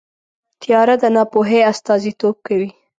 تیاره د ناپوهۍ استازیتوب کوي.